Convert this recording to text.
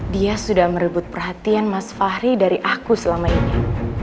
dia sudah merebut perhatian mas fahri dari aku selama ini